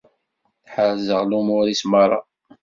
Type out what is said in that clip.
Ḥerzeɣ lumuṛ-is merra.